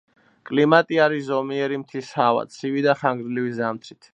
კლიმატი არის ზომიერი მთის ჰავა, ცივი და ხანგრძლივი ზამთრით.